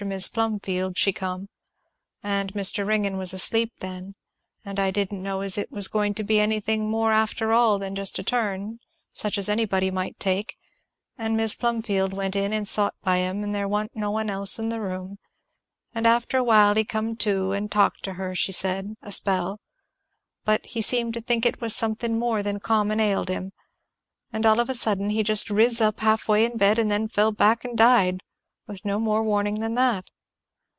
Mis' Plumfield, she come; and Mr. Ringgan was asleep then, and I didn't know as it was going to be anything more after all than just a turn, such as anybody might take; and Mis' Plumfield went in and sot by him; and there wa'n't no one else in the room; and after a while he come to, and talked to her, she said, a spell; but he seemed to think it was something more than common ailed him; and all of a sudden he just riz up half way in bed and then fell back and died, with no more warning than that."